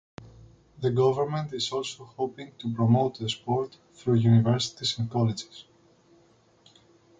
The government is also hoping to promote the sport through Universities and Colleges.